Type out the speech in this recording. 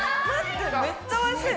めっちゃおいしい！